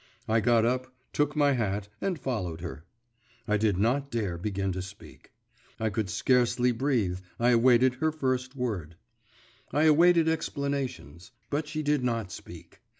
I got up, took my hat, and followed her. I did not dare begin to speak, I could scarcely breathe, I awaited her first word, I awaited explanations; but she did not speak.